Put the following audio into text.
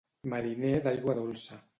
Mariner d'aigua dolça.